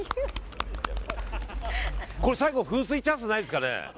最後噴水チャンスないですかね？